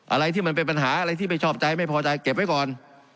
อะไรที่มันเป็นปัญหาอะไรที่ไม่ชอบใจไม่พอใจเก็บไว้ก่อน